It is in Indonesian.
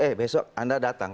eh besok anda datang